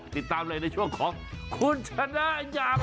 ติดตามเลยในช่วงของคุณชนะอยาก